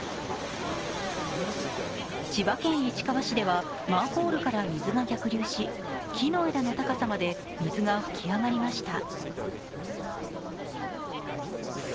千葉県市川市ではマンホールから水が逆流し、木の枝の高さまで水が噴き上がりました。